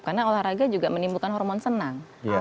karena olahraga juga menimbulkan hormon senang